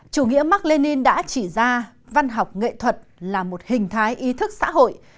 chủ nghĩa mark lenin đã chỉ ra văn học nghệ thuật là một hình thái ý thức xã hội